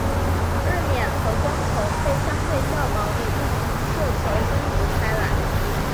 日冕和光球被相对较薄的一层色球分隔开来。